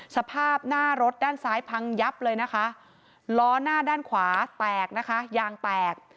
สภาพหน้ารถด้านซ้ายพังยับเลยนะคะล้อหน้าด้านขวาแตกนะคะยางแตก